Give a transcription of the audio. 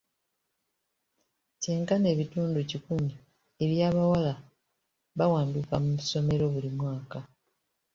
Kyenkana ebitundu kikumi eby'abawala bawanduka mu ssomero buli mwaka.